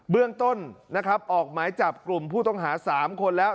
เรื่องต้นนะครับออกหมายจับกลุ่มผู้ต้องหา๓คนแล้ว